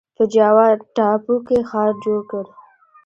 په جاوا ټاپو کې ښار جوړ کړ.